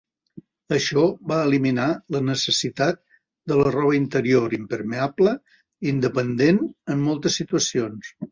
Això va eliminar la necessitat de la roba interior impermeable independent en moltes situacions.